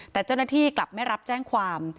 แต่เจ้าหน้าที่กลับไม่รับแจ้งความ